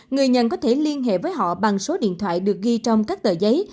người nhận có thể liên hệ với họ bằng số điện thoại được ghi trong các tờ giấy